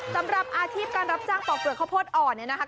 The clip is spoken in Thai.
สำหรับอาชีพการรับจ้างปอกเปลือกข้าวโพดอ่อนเนี่ยนะคะ